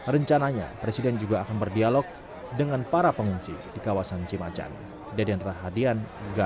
rencananya presiden juga akan berdialog dengan para pengungsi di kawasan cimacan